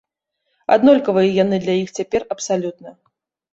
Аднолькавыя яны для іх цяпер абсалютна.